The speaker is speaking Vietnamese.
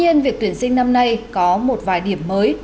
thưa thiếu tướng hiện nay dân luận các bậc quốc minh và các em học sinh